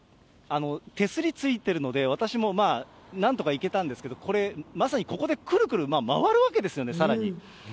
手すり付いてるので、私もまあ、なんとか行けたんですけど、これ、まさにここで、くるくる回るわけですよね、さらに。